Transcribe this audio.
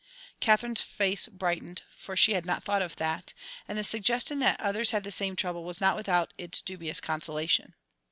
Katherine's face brightened, for she had not thought of that, and the suggestion that others had the same trouble was not without its dubious consolation.